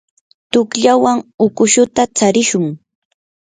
tuqllawan ukushuta tsarishun.